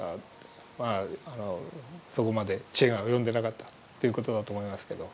そこまで知恵が及んでなかったということだと思いますけど。